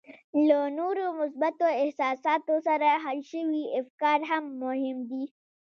له نورو مثبتو احساساتو سره حل شوي افکار هم مهم دي